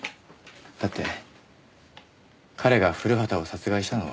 だって彼が古畑を殺害したのは。